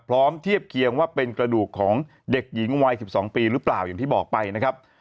เทียบเคียงว่าเป็นกระดูกของเด็กหญิงวัย๑๒ปีหรือเปล่าอย่างที่บอกไปนะครับ